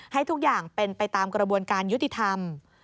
ให้ทุกอย่างเป็นไปตามกระบวนการยุติธรรม